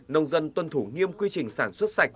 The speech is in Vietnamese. nông dân tuân thủ nghiêm quy trình sản xuất sạch